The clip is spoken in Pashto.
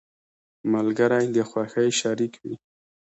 • ملګری د خوښۍ شریك وي.